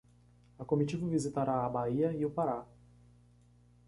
A comitiva visitará a Bahia e o Pará